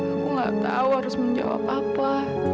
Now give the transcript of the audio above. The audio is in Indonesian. aku gak tahu harus menjawab apa